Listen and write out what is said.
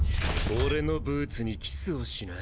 俺のブーツにキスをしな。